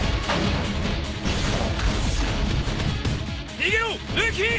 逃げろルーキー！